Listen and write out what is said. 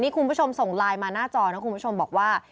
คุณผู้ชมส่งไลน์มาหน้าจอนะคุณผู้ชมบอกว่า